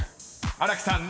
［新木さん